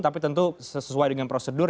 tapi tentu sesuai dengan prosedur